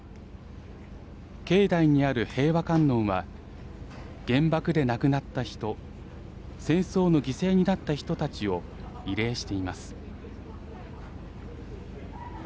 境内にある平和観音は原爆で亡くなった人戦争の犠牲になった人たちを慰霊しています。